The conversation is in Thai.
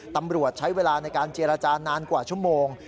ตำรวจใช้เวลาในการเจรจานานกว่าชั่วโมง